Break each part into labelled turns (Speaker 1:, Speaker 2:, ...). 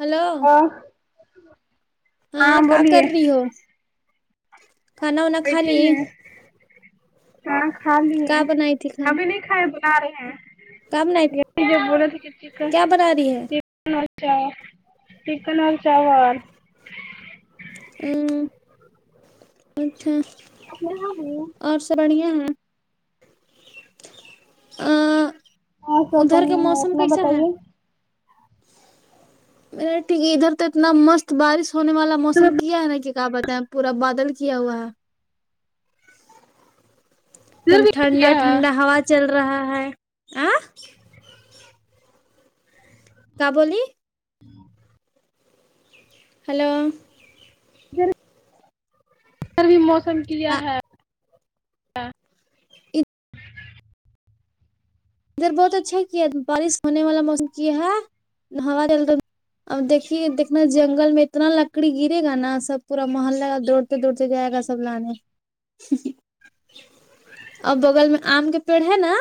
Speaker 1: hello
Speaker 2: اه
Speaker 1: ہاں کا کر رہی ہو کھانا وانا
Speaker 2: بیٹھے
Speaker 1: کھالی
Speaker 2: ہیں ہاں کھا لیے
Speaker 1: کیا بنائی تھی کھانا
Speaker 2: ابھی نہیں کھائے بنا رہے ہیں
Speaker 1: کیا بنائی تھی
Speaker 2: یہ جو بول رہے تھے کی
Speaker 1: کیا بنا رہی ہے
Speaker 2: چی چکن اور چاول چکن اور چاول
Speaker 1: ہوں اچھا
Speaker 2: اپنے ہاں جی
Speaker 1: اور سب بڑھیا ہیں آ
Speaker 2: ہاں سب
Speaker 1: ادھر کے
Speaker 2: بڑھیا ہے
Speaker 1: موسم
Speaker 2: اپنا
Speaker 1: کیسا ہے
Speaker 2: بتائیے
Speaker 1: میں نے ٹھیک ہے ادھر تو اتنا مست بارش ہونے والا
Speaker 2: ادھر
Speaker 1: موسم
Speaker 2: بھی
Speaker 1: کیا ہے نا کہ کیا بتائیں پورا بادل کیا ہوا ہے ایک دم ٹھنڈا
Speaker 2: کیا ہے
Speaker 1: ٹھنڈا ہوا چل رہا ہے آ کا بولی
Speaker 2: [inaudible]
Speaker 1: ہیلو
Speaker 2: ذرا ادھر بھی موسم کیا ہے
Speaker 1: ادھر بہت اچھا کیا بارش ہونے والا موسم کیا ہاں ہمارے اب دیکھیے دیکنا جنگل میں اتنا لکڑی گرے گا نا سب پورا محللہ دو ک دور سے جائے گا سب لانے اور بغل میں آم کے پیڑ ہے نا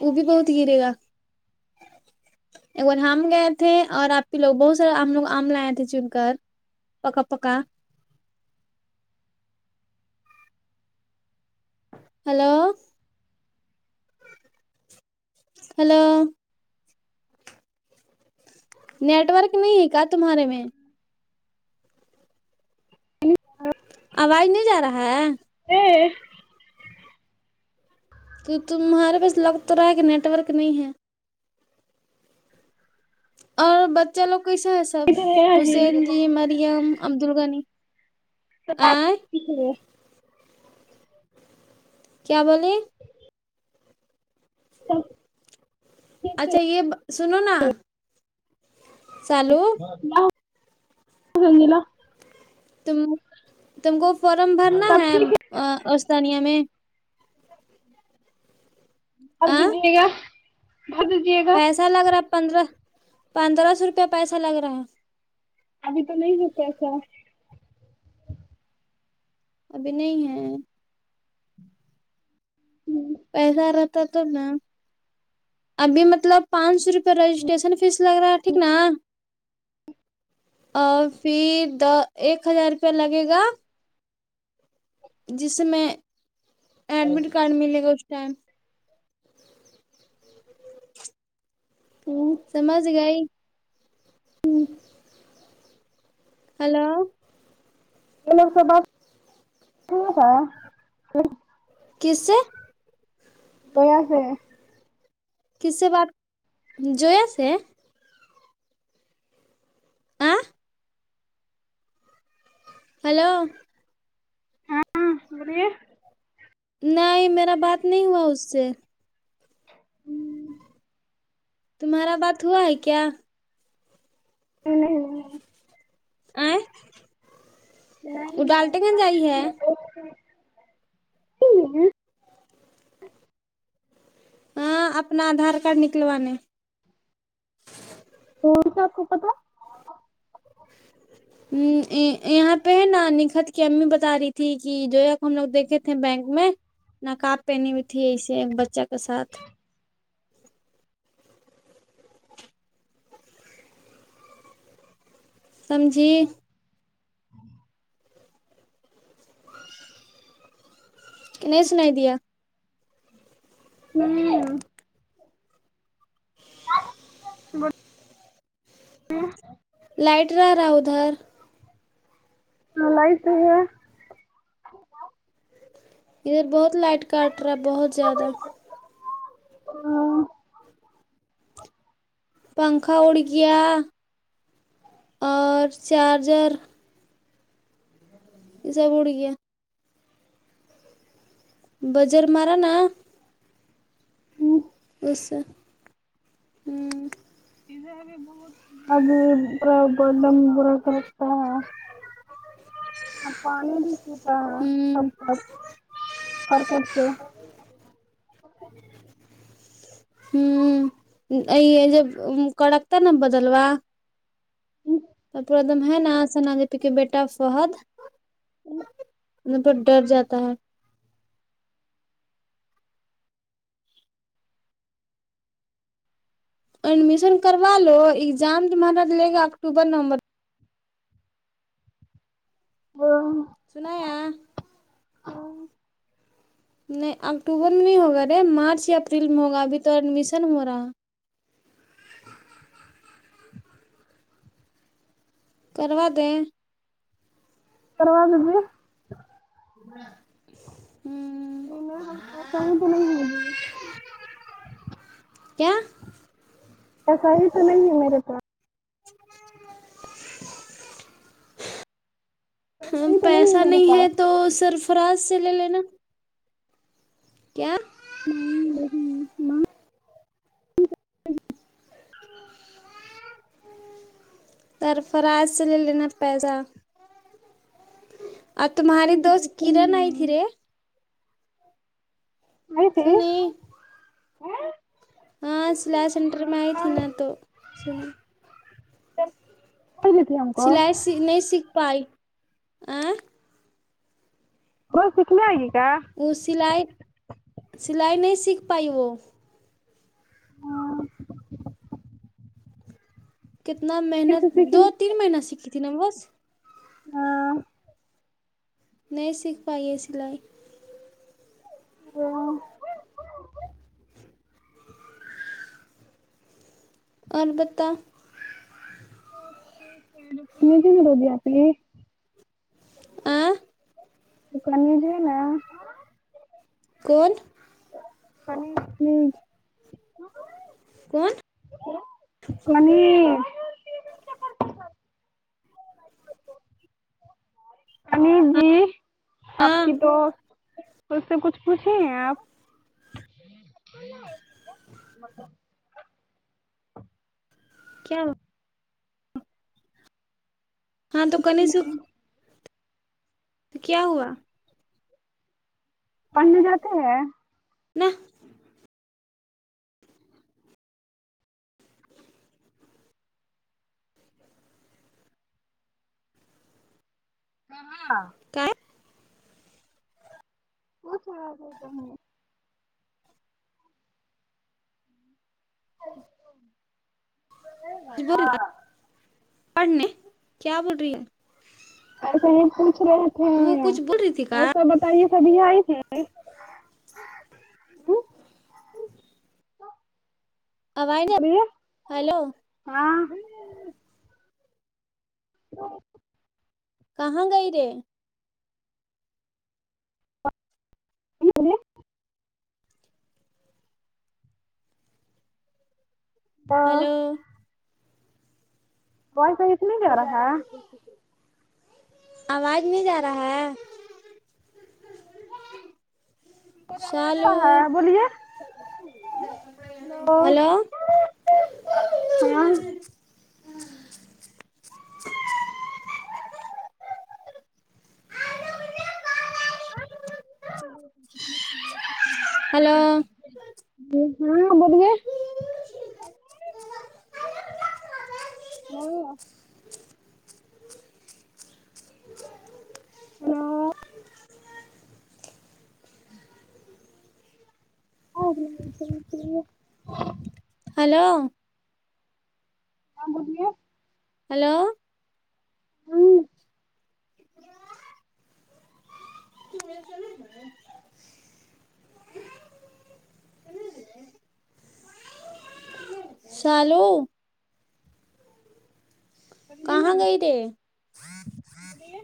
Speaker 1: وہ بھی بہت گرے گا ایک بار ہم گئے تھے اور آپ کے لوگوں سے ہم لوگ آم لائے تھے چن کر پکا پکا ہلو ہلو نیٹ ورک نہیں ہے کا تمہارے میں آواز نہیں جا رہا ہے
Speaker 2: ہوں
Speaker 1: تو تمہارے پاس لگ تو رہا ہے کہ نیٹ ورک نہیں ہے اور بچہ لوگ کیسا ہے سب حسین جی مریم عبدالغنی
Speaker 2: [inaudible]
Speaker 1: کیا بولیں
Speaker 2: ٹھیک ہے
Speaker 1: اچھا یہ سنو نا چالو
Speaker 2: میلا یہ میلا
Speaker 1: تم تم کو فارم بھرنا
Speaker 2: سب
Speaker 1: ہے
Speaker 2: ٹھیک
Speaker 1: اسانیہ میں
Speaker 2: بھر
Speaker 1: آ
Speaker 2: دیجیے گا بھر دیجیے گا
Speaker 1: لگرا ہے پندرہ پندرہ سو روپیہ پیسا لگ رہا ہے
Speaker 2: ابھی تو نہیں ہے پیسہ
Speaker 1: ابھی نہیں ہے
Speaker 2: ہمم
Speaker 1: پیسہ رہتا تو نا ابھی مطلب پانچ سو روپے رجسٹریشن فیس لگ رہا ہے ٹھیک نا اور پھر دا ایک ہزار روپیہ لگے گا جس سے میں ایڈمٹ کارڈ ملے گا اس ٹائم
Speaker 2: [inaudible]
Speaker 1: سمجھ گئی ہیلو
Speaker 2: [unintelligible] یہ لوگ س ب تھا
Speaker 1: کس سے
Speaker 2: [unintelligible]
Speaker 1: کس سے بات جویا سے آ ہیلو
Speaker 2: ہاں بولیے
Speaker 1: نہیں میرا بات نہیں ہوا اس سے تمہارا بات ہوا ہے کیا
Speaker 2: نہیں نہیں
Speaker 1: [unintelligible]
Speaker 2: [inaudible]
Speaker 1: ہاں اپنا آدھار کارڈ نکلوانے
Speaker 2: کون سا آپ کو پتا ہے
Speaker 1: امم یہاں پہ ہے نا نکھت کی امی بتا رہی تھی کہ جویا کو ہم لگ دیکھے تھ تھے بینک میں نقاب پہنی ہوئی تھی ایسے ایک بچہ کے ساتھ سمجھی کہ نہیں سنائی دیا
Speaker 2: ہوں گ ج [inaudible]
Speaker 1: لائٹ رہرا ادھر
Speaker 2: اللہ آئیت ہے [unintelligible]
Speaker 1: ادھر بہت لائٹ کٹ رہا ہے بہت زیادہ
Speaker 2: [unintelligible]
Speaker 1: پنکھا اڑ گیا اور چارجر یہ سب اڑ گیا بجر مارا نا [unintelligible] [unintelligible]
Speaker 2: [unintelligible] اور پانی بھی چھو ٹا
Speaker 1: ہ ہ
Speaker 2: پھٹ پھٹ ہلکے سے
Speaker 1: ھمم جب کڑکتا نا بدلوا [unintelligible] ہے نا سنا دیدی کے بیٹا فہد مطلب ڈر جاتا ہے ایڈمیشن کروا لو ایگزام تمہارا لینگے اکٹوبر نومبرمیں
Speaker 2: وہ
Speaker 1: سنایا
Speaker 2: ہ
Speaker 1: نہیں اکتوبر میں نہیں ہوگا رے مارچ یا اپریل میں ہوگا ابھی تو ایڈمیشن ہو رہا کروا دیں
Speaker 2: کرادو پھر
Speaker 1: ابر [unintelligible] کیا
Speaker 2: [unintelligible] توسا ہی تو نہیں ہے میرے تو
Speaker 1: ہاں
Speaker 2: ہی تو
Speaker 1: پیسہ
Speaker 2: میرے
Speaker 1: نہیں ہے
Speaker 2: پاس
Speaker 1: تو سرفراز سے لے لینا کیا
Speaker 2: [unintelligible]
Speaker 1: سرفراز سے لے لینا پیسہ آج تمہارے دوست کرن آئی تھی رے
Speaker 2: آئی تھے
Speaker 1: سنی ہاں سلا یی سینٹر میں آئی تھی نا تو
Speaker 2: کیا [unintelligible]
Speaker 1: سلائی نہیں سیکھ پائی
Speaker 2: وہ سکھنے آئی گی کا
Speaker 1: وہ سیلائی سلائی نہیں سیکھ پائی وہ
Speaker 2: ہاں
Speaker 1: کتنا
Speaker 2: پھر
Speaker 1: میہنہ
Speaker 2: سے سیکھی
Speaker 1: دو تین مہینہ سیکھی تھی نہ بس
Speaker 2: ہاں
Speaker 1: نہیں سیکھ پائی ہےسیلائی
Speaker 2: ہاں
Speaker 1: البتہ
Speaker 2: اوکے [unintelligible]
Speaker 1: آ
Speaker 2: کل کالج ہے نا
Speaker 1: کون
Speaker 2: سمیر ھمم
Speaker 1: کون
Speaker 2: سمیر [unintelligible] جی آپ
Speaker 1: ہاں
Speaker 2: کی دوست اس سے کچھ پوچھے ہیں آپ
Speaker 1: کیا ہاں توکنیز تو کیا ہوا
Speaker 2: پڑھنے جاتے ہیں
Speaker 1: ناہ
Speaker 2: ہاں ہاں
Speaker 1: کیا
Speaker 2: [unintelligible]
Speaker 1: جی بول پڑھنے کیا بول رہی ہے
Speaker 2: ایسے ہی پوچھ رہے تھے
Speaker 1: وہ کچھ بول رہی تھی
Speaker 2: اور
Speaker 1: کا
Speaker 2: سب یہ سبھی آئی تھی
Speaker 1: آواز
Speaker 2: بولیے
Speaker 1: ہیلو
Speaker 2: ہاں [inaudible]
Speaker 1: کہاں گئی رے
Speaker 2: [unintelligible] تو
Speaker 1: ہلو
Speaker 2: وای فای کیوں نہیں آرہا
Speaker 1: آواز نہیں جا رہا ہے شالو
Speaker 2: ہاں بولیے
Speaker 1: ہلو
Speaker 2: ہاں
Speaker 1: ہلو
Speaker 2: [unintelligible] نہیں ہے ہاں جی [unintelligible]
Speaker 1: ہلو
Speaker 2: ہاں بولیے
Speaker 1: ہلو
Speaker 2: ہوں
Speaker 1: [unintelligible] [unintelligible] چلے گئے سالو کہاں گئی تھے
Speaker 2: ارے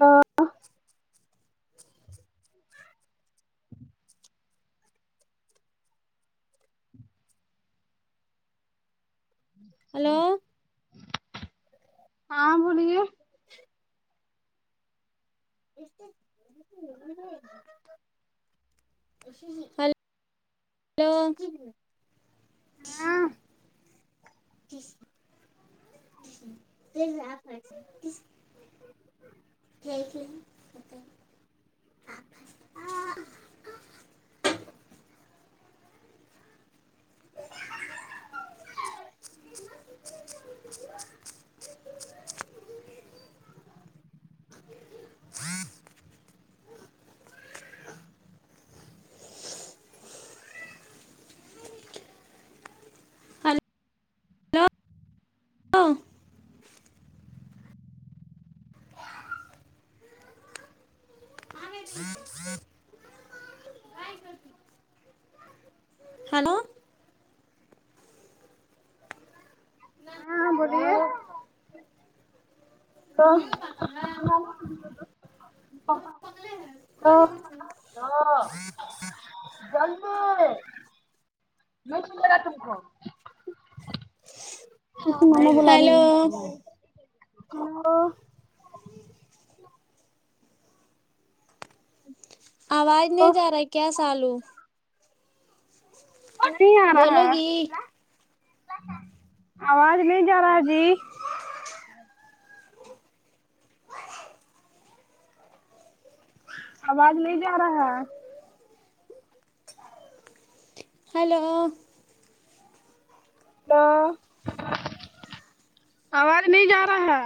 Speaker 2: ہاں
Speaker 1: ہلو
Speaker 2: ہاں بولیے
Speaker 1: ہو ہل
Speaker 2: ہاں
Speaker 1: ہیلو دیکھرے آپ [unintelligible] تینھک یو اوکے ہاں ہیلو ہلو
Speaker 2: ہاں ہاں بولیے تو تو [unintelligible] سومیں نے بلا رہی
Speaker 1: ہیلو
Speaker 2: ہے
Speaker 1: آواز نہیں جا رہا کیا سالو
Speaker 2: نہیں آ رہا
Speaker 1: بولو گی
Speaker 2: ہے آواز نہیں جا رہا جی آواز نہیں جا رہا ہے
Speaker 1: ہلو
Speaker 2: ہلو آواز نہیں جا رہا ہے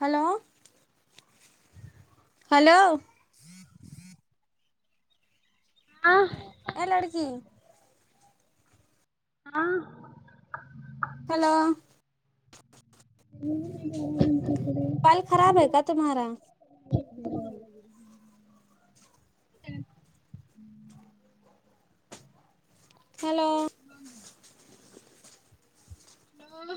Speaker 1: ہلو ہلو
Speaker 2: ہاں
Speaker 1: اے لڑکی
Speaker 2: ہاں
Speaker 1: ہیلو پال خراب ہےکیا تمہارا ہیلو
Speaker 2: ہیلو